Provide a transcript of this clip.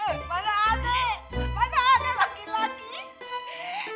eh mana ada mana ada laki laki